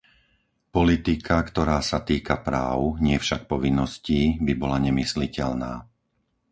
Politika, ktorá sa týka práv, nie však povinností, by bola nemysliteľná.